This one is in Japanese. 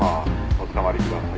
おつかまりください。